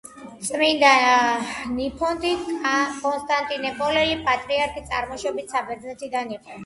წმინდა ნიფონტი, კონსტანტინოპოლელი პატრიარქი წარმოშობით საბერძნეთიდან იყო.